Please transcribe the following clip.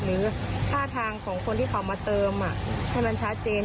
หรือท่าทางของคนที่เขามาเติมให้มันชัดเจน